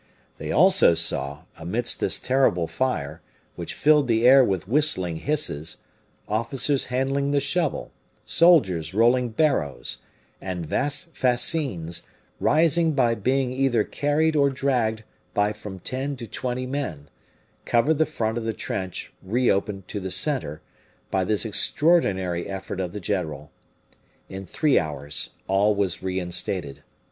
They also saw, amidst this terrible fire, which filled the air with whistling hisses, officers handling the shovel, soldiers rolling barrows, and vast fascines, rising by being either carried or dragged by from ten to twenty men, cover the front of the trench reopened to the center by this extraordinary effort of the general. In three hours, all was reinstated.